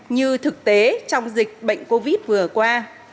như thực tế trong dịch bệnh covid vừa qua